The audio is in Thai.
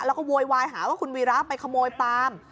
แล้วก็โวยวายหาว่าคุณวีระไปขโมยปาล์ม